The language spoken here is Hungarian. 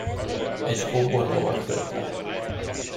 Egy kóbor lovag törpe.